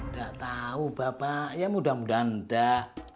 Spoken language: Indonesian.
ndak tau bapak ya mudah mudahan ndak